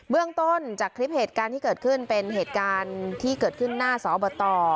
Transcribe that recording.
เรื่องต้นจากคลิปเหตุการณ์ที่เกิดขึ้นเป็นเหตุการณ์ที่เกิดขึ้นหน้าสอบต